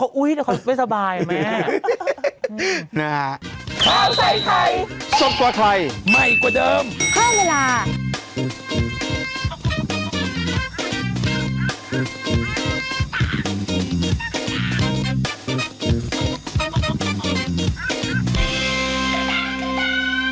เขาอุ๊ยเดี๋ยวเขาไม่สบายแม่นะฮะ